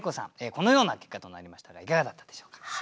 このような結果となりましたがいかがだったでしょうか？